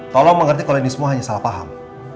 tolong mengerti kalau ini semua hanya salah paham